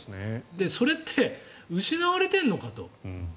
それって失われているのかと。